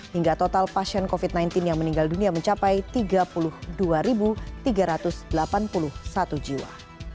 hingga total pasien covid sembilan belas yang meninggal dunia mencapai tiga puluh dua tiga ratus delapan puluh satu jiwa